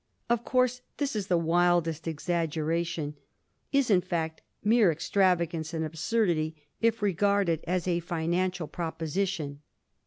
Of course this is the wildest exaggeration — is, in fact, mere extravagance and absurdity, if regarded as a financial proposition.